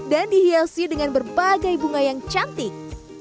dan dihiasi dengan berbagai bunga yang cantik